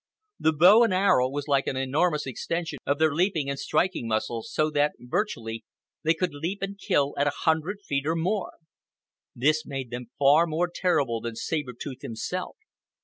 The bow and arrow was like an enormous extension of their leaping and striking muscles, so that, virtually, they could leap and kill at a hundred feet and more. This made them far more terrible than Saber Tooth himself.